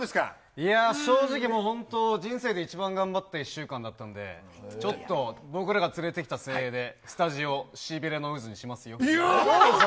いや、正直本当、人生で一番頑張った１週間だったんで、ちょっと僕らが連れてきた精鋭でスタジオ、しびれの渦？